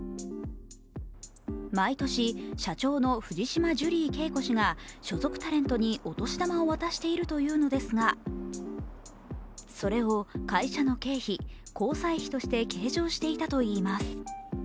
毎年社長の藤島ジュリー景子氏が所属タレントにお年玉を渡しているというのですがそれを会社の経費、交際費として計上していたといいます。